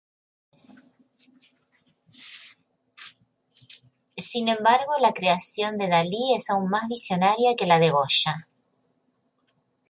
Sin embargo, la creación de Dalí es aún más visionaria que la de Goya.